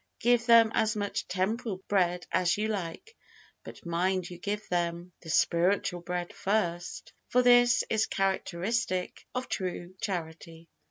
Give them as much temporal bread as you like, but mind you give them the spiritual bread first, for this is characteristic of true Charity.